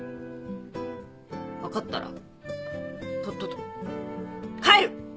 分かったらとっとと帰る！